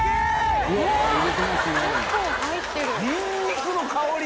ニンニクの香り。